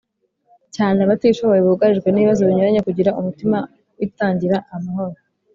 cyane abatishoboye bugarijwe n’ibibazo binyuranye, kugira umutima witangira amahoro